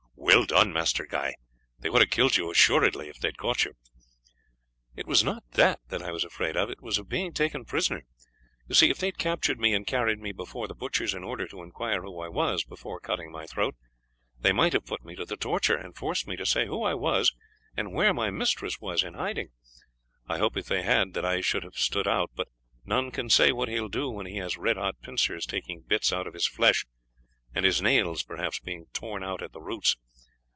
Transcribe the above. "Well done, Master Guy; they would have killed you assuredly if they had caught you." "It was not that that I was afraid of it was of being taken prisoner. You see, if they had captured me and carried me before the butchers in order to inquire who I was before cutting my throat, they might have put me to the torture and forced me to say who I was, and where my mistress was in hiding. I hope if they had, that I should have stood out; but none can say what he will do when he has red hot pincers taking bits out of his flesh, and his nails, perhaps, being torn out at the roots.